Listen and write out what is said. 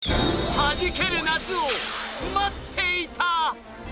はじける夏を待っていた。